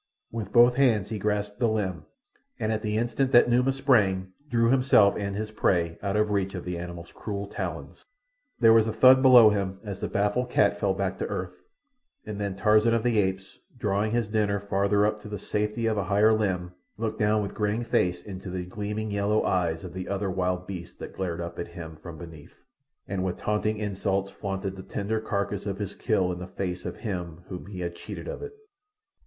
With both hands he grasped the limb, and, at the instant that Numa sprang, drew himself and his prey out of reach of the animal's cruel talons. There was a thud below him as the baffled cat fell back to earth, and then Tarzan of the Apes, drawing his dinner farther up to the safety of a higher limb, looked down with grinning face into the gleaming yellow eyes of the other wild beast that glared up at him from beneath, and with taunting insults flaunted the tender carcass of his kill in the face of him whom he had cheated of it.